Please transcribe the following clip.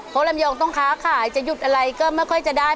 เพราะลำยองต้องค้าขายจะหยุดอะไรก็ไม่ค่อยจะได้